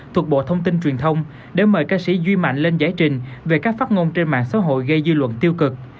thuộc bộ thông tin truyền thông để mời ca sĩ duy mạnh lên giải trình về các phát ngôn trên mạng xã hội gây dư luận tiêu cực